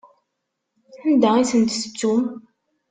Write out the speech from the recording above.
Anda i tent-tettum?